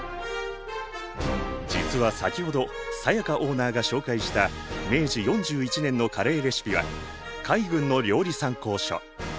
実は先ほど才加オーナーが紹介した明治４１年のカレーレシピは海軍の料理参考書。